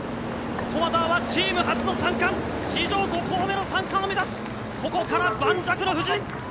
駒澤はチーム初の３冠史上５校目の３冠を目指しここから盤石の布陣。